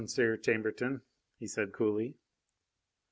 Chambertin," he said coolly.